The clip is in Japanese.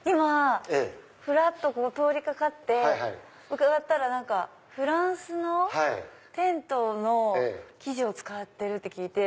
ふらっとここ通り掛かって伺ったらフランスのテントの生地を使ってるって聞いて。